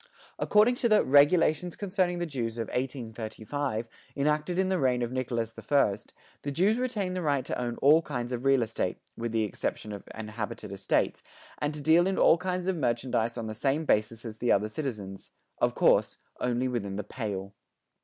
According to the "Regulations Concerning the Jews" of 1835, enacted in the reign of Nicholas the First, the Jews retained the right to own all kinds of real estate, with the exception of inhabited estates and to deal in all kinds of merchandise on the same basis as the other citizens, of course, only within the "Pale."